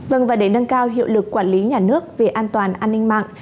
vâng và để nâng cao hiệu lực quản lý nhà nước về an toàn an ninh mạng